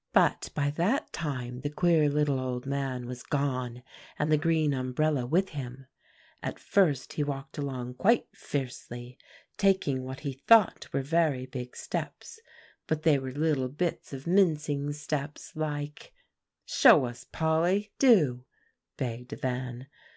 ] "But by that time the queer little old man was gone, and the green umbrella with him. At first he walked along quite fiercely, taking what he thought were very big steps, but they were little bits of mincing steps like" "Show us, Polly, do," begged Van.